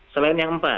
selain yang empat